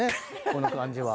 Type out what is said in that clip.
この感じは。